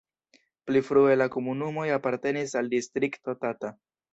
Pli frue la komunumoj apartenis al Distrikto Tata.